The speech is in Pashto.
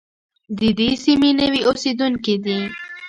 د دې سیمې نوي اوسېدونکي دي.